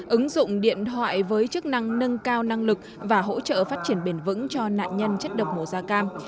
ứng dụng điện thoại với chức năng nâng cao năng lực và hỗ trợ phát triển bền vững cho nạn nhân chất độc mùa da cam